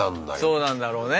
そうなんだろうね。